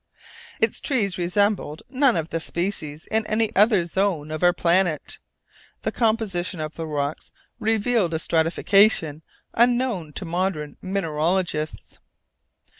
Its trees resembled none of the species in any other zone of our planet. The composition of the rocks revealed a stratification unknown to modern mineralogists.